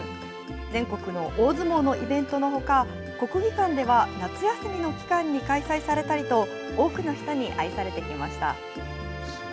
全国の大相撲のイベントのほか、国技館では夏休みの期間に開催されたりと、多くの人に愛されてきました。